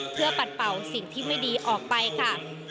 เพื่อปัดเป่าสิ่งที่ไม่ดีออกไปค่ะ